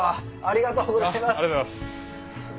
ありがとうございます。